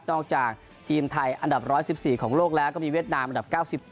จากทีมไทยอันดับ๑๑๔ของโลกแล้วก็มีเวียดนามอันดับ๙๑